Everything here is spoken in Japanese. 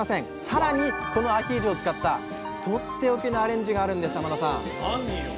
さらにこのアヒージョを使ったとっておきのアレンジがあるんです天野さん何よ。